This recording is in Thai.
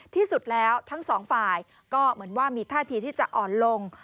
ที่สุดแล้วทั้งสองฝ่ายก็เหมือนว่ามีท่าทีที่จะอ่อนลง